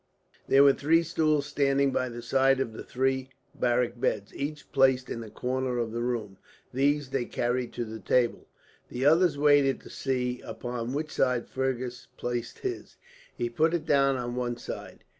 There were three stools standing by the side of the three barrack beds, each placed in a corner of the room. These they carried to the table. The others waited to see upon which side Fergus placed his. He put it down on one side.